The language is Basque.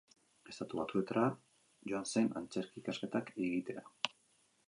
Estatu Batuetara joan zen antzerki-ikasketak egitera.